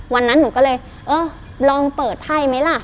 วันนั้นหนูก็เลยเออลองเปิดไพ่ไหมล่ะ